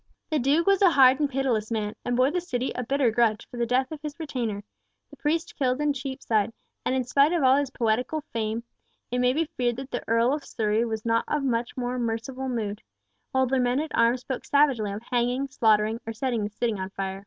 The Duke was a hard and pitiless man, and bore the City a bitter grudge for the death of his retainer, the priest killed in Cheapside, and in spite of all his poetical fame, it may be feared that the Earl of Surrey was not of much more merciful mood, while their men at arms spoke savagely of hanging, slaughtering, or setting the City on fire.